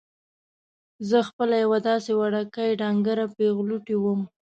زه خپله یوه داسې وړوکې ډنګره پېغلوټې وم.